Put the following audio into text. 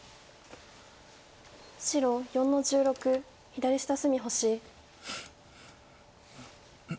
白４の十六左下隅星。